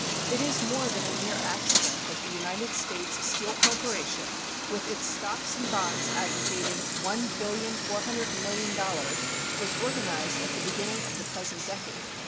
It is more than a mere accident that the United States Steel Corporation with its stocks and bonds aggregating $1,400,000,000 was organized at the beginning of the present decade.